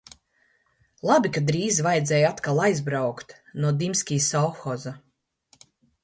Labi, ka drīz vajadzēja atkal aizbraukt no Dimskī sovhoza.